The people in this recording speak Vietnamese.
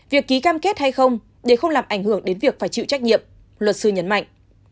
việc ký cam kết hay không để không làm ảnh hưởng đến việc phải chịu trách nhiệm luật sư nhấn mạnh